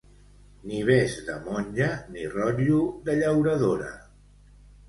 Ni bes de monja, ni rotllo de llauradora.